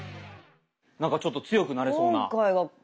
なんかちょっと強くなれそうな企画。